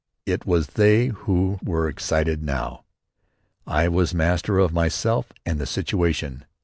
It was they who were excited now. I was master of myself and the situation.